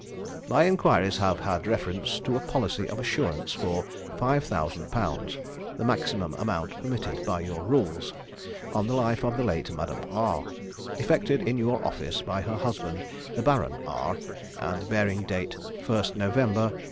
"My enquiries have had reference to a policy of assurance for 5000_l_., the maximum amount permitted by your rules, on the life of the late Madame R, effected in your office by her husband, the Baron R, and bearing date 1st November, 1855.